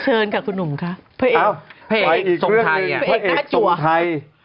เชิญขอคุณหนุ่มครับพลังเอกสมทัย